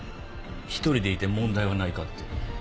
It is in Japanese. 一人でいて問題はないかって。